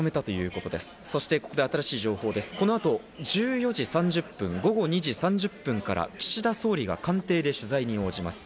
この後、１４時３０分、午後２時３０分から岸田総理が官邸で取材に応じます。